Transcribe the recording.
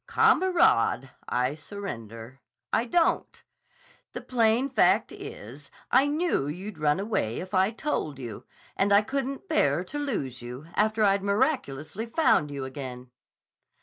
"Kamerad! I surrender! I don't! The plain fact is, I knew you'd run away if I told you, and I couldn't bear to lose you, after I'd miraculously found you again."